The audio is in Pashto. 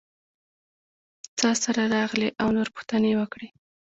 څاسره راغلې او نور پوښتنې یې وکړې.